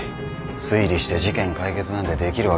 推理して事件解決なんてできるわけがない。